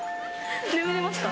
眠れました？